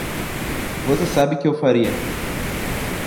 Você sabe que eu faria.